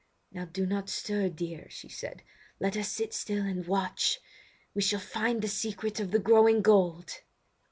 "Now do not stir, dear," she said; "let us sit still and watch. We shall find the secret of the growing gold!"